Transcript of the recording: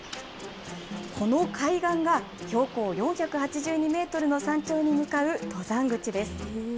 この海岸が、標高４８２メートルの山頂に向かう登山口です。